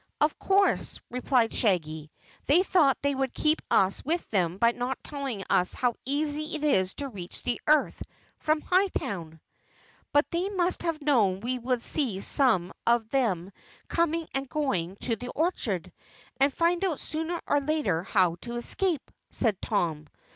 "Of course," replied Shaggy. "They thought they would keep us with them by not telling us how easy it is to reach the earth from Hightown." "But they must have known we would see some of them coming and going to the orchard, and find out sooner or later how to escape," said Tom.